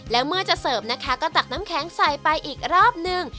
แล้วเมื่อจะเสิร์ฟนะคะก็ตักน้ำแข็งใส่ไปอีกรอบนึง